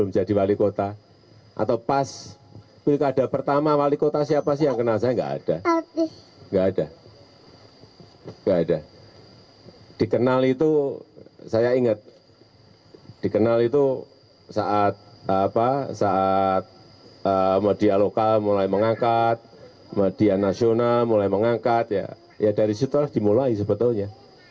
tidak ada tidak ada tidak ada dikenal itu saya ingat dikenal itu saat media lokal mulai mengangkat media nasional mulai mengangkat ya dari situ dimulai sebetulnya